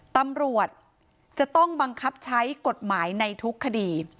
ตำรวจจะต้องบังคับใช้กฎหมายในทุกคดี